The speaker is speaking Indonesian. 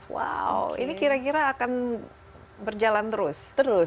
wow ini kira kira akan berjalan terus terus